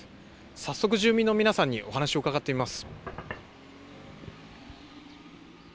早速、住民の皆さんにお話を伺ってみます。